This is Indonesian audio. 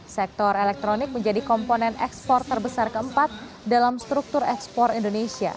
sektor elektronik menjadi komponen ekspor terbesar keempat dalam struktur ekspor indonesia